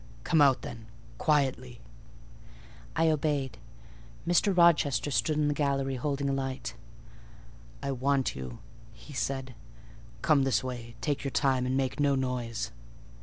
"Come out, then, quietly." I obeyed. Mr. Rochester stood in the gallery holding a light. "I want you," he said: "come this way: take your time, and make no noise."